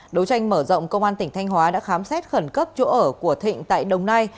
đấu tranh mở rộng công an tỉnh thanh hóa đã khám xét khẩn cấp chỗ ở của thịnh tại đồng nai